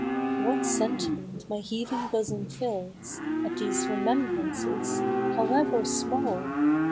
What sentiment my heaving bosom fills At these remembrances, however small